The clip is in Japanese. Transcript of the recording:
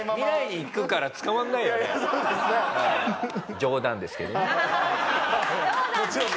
冗談ですけどね。